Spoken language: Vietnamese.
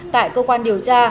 tại cơ quan điều tra